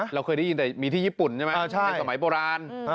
เราเคยได้ยินแต่มีที่ญี่ปุ่นใช่ไหมในสมัยโบราณ